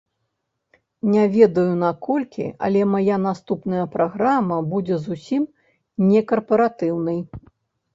Не ведаю, наколькі, але мая наступная праграма будзе зусім не карпаратыўнай.